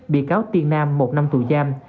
bị cáo tiên nam một năm tù giam